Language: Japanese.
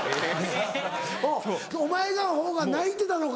お前のほうが泣いてたのか。